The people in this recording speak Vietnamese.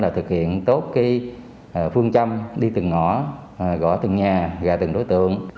thực hiện tốt phương chăm đi từng ngõ gõ từng nhà gà từng đối tượng